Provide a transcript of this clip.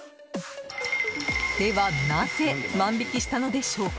では、なぜ万引きしたのでしょうか。